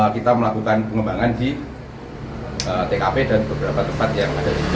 kita melakukan pengembangan di tkp dan beberapa tempat yang ada di